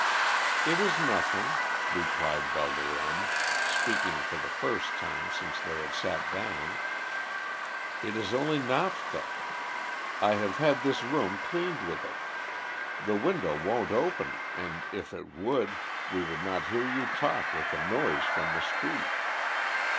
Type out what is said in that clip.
"It is nothing," replied Valdorême, speaking for the first time since they had sat down. "It is only naphtha. I have had this room cleaned with it. The window won't open, and if it would, we could not hear you talk with the noise from the street."